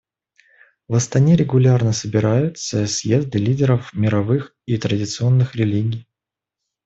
В Астане регулярно собираются съезды лидеров мировых и традиционных религий.